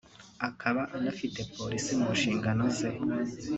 akaba anafite Polisi mu nshingano ze